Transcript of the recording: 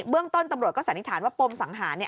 เบื้องต้นตำรวจก็สันนิหาว่าปมสั่งหานี่